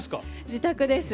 自宅です。